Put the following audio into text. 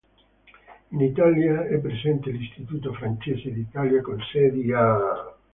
In Italia è presente l'Istituto francese d'Italia con sedi a